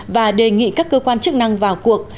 và đề nghị các cơ quan chức năng vào cuộc